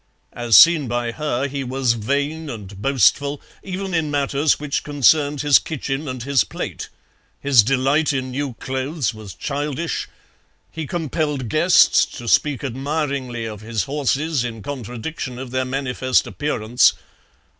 As seen by her, he was vain and boastful, even in matters which concerned his kitchen and his plate. His delight in new clothes was childish. He compelled guests to speak admiringly of his horses, in contradiction of their manifest appearance.